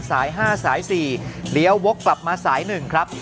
สาย๕สาย๔เลี้ยววกกลับมาสาย๑ครับ